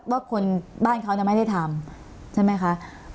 ว่าคนบ้านเขาไม่ได้ทำใช่ไหมคะ